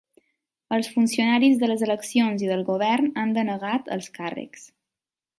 Els funcionaris de les eleccions i del govern han denegat els càrrecs.